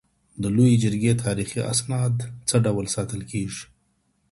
د لویې جرګي تاریخي اسناد څه ډول ساتل کیږي؟